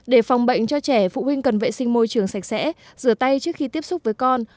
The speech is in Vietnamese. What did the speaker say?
để phòng bệnh cho trẻ phụ huynh cần vệ sinh môi trường sạch sẽ rửa tay trước khi tiếp xúc với con